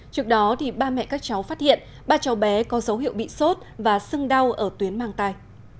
trước đó ba mẹ các cháu phát hiện ba cháu bé có dấu hiệu bị sốt và sưng đau ở tuyến mang tai